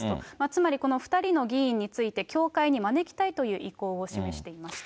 つまり、この２人の議員について教会に招きたいという意向を示していまし